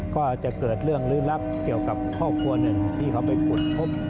ก็จะเกิดเรื่องลื้อลับเกี่ยวกับครอบครัวหนึ่งที่เขาไปขุดพบ